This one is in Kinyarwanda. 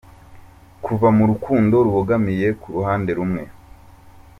Kuva mu rukundo rubogamiye ku ruhande rumwe.